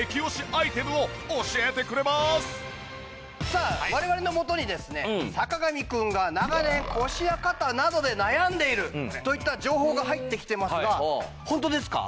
さあ我々のもとにですね坂上くんが長年腰や肩などで悩んでいるといった情報が入ってきてますが本当ですか？